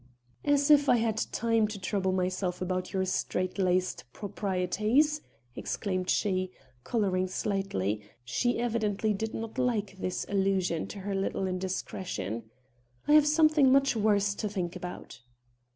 "As if I had time to trouble myself about your strait laced proprieties!" exclaimed she, coloring slightly; she evidently did not like this allusion to her little indiscretion: "I have something much worse to think about."